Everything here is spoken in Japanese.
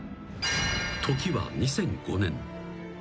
［時は２００５年］